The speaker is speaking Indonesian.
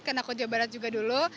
karena ke jawa barat juga dulu